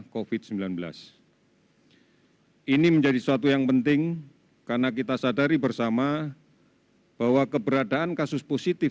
kami sudah melakukan pemeriksaan di kawasan pantai tanjung pondok